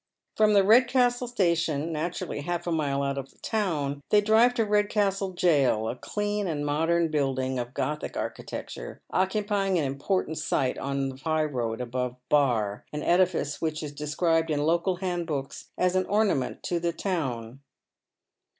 From the Redcastle station, naturally half a mile out of the town, they drive to Redcastle Jail, a clean and modern building, of Gothic architecture, occupying an import ant site on the high road above Bar, an edifice which is described in local handbooks as an ornament to the town.